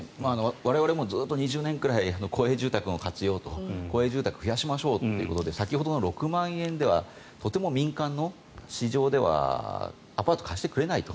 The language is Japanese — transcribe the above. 我々もずっと２０年ぐらい公営住宅の活用と公営住宅を増やしましょうということで先ほどの６万円ではとても民間の市場ではアパートを貸してくれないと。